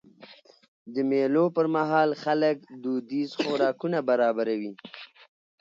د مېلو پر مهال خلک دودیز خوراکونه برابروي.